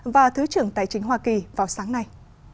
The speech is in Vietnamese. và thứ trưởng tài chính hoa kỳ vào sáng nay